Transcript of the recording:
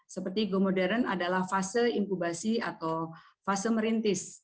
seperti go modern adalah fase inkubasi atau fase merintis